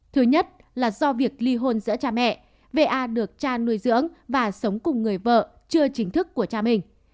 thứ nhất là do việc ly hôn giữa cha mẹ về a được cha nuôi dưỡng và sống cùng người vợ chưa chính thức của cha mình